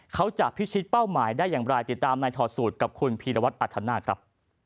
เขาจะพิชิตเป้าหมายได้อย่างไรติดตามในถอดสูตรกับคุณพีรวัตรอัธนาคครับ